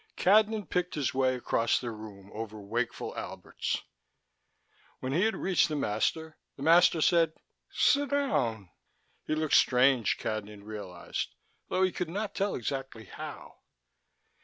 Cadnan picked his way across the room over wakeful Alberts. When he had reached the master, the master said: "Sit down." He looked strange, Cadnan realized, though he could not tell exactly how.